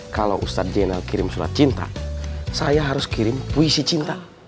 kalau ustadz jainal kirim surat cinta saya harus kirim puisi cinta